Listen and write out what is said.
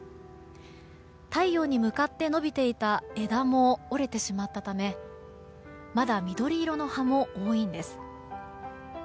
太陽に向かって伸びていた枝も折れてしまったためまだ緑色の葉も多いんです。